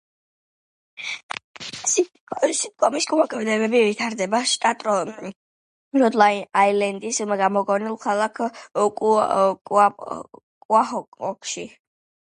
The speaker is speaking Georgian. სიტკომის მოქმედებები ვითარდება შტატ როდ აილენდის გამოგონილ ქალაქ კუაჰოგში.